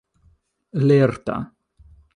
lerta